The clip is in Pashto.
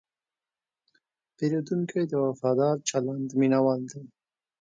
پیرودونکی د وفادار چلند مینهوال دی.